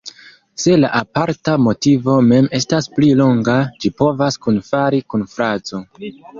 Se la aparta motivo mem estas pli longa, ĝi povas kunfali kun frazo.